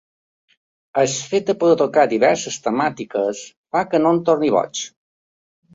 El fet de poder tocar diverses temàtiques fa que no em torni boig.